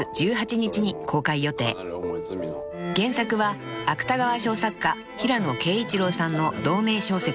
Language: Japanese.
［原作は芥川賞作家平野啓一郎さんの同名小説］